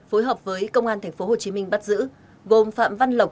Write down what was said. phối hợp với công an tp hcm bắt giữ gồm phạm văn lộc